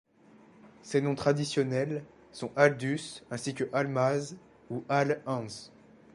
Ses noms traditionnels sont Haldus ainsi que Almaaz ou Al Anz.